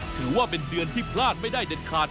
ถือว่าเป็นเดือนที่พลาดไม่ได้เด็ดขาด